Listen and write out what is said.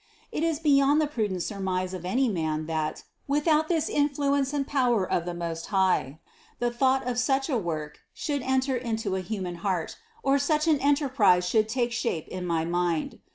4. It is beyond the prudent surmise of any man that, without this influence and power of the Most High, the thought of such a work should enter into a human heart, or such an enterprise should take shape in my mind.